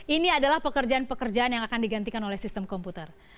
ini adalah pekerjaan pekerjaan yang akan digantikan oleh sistem komputer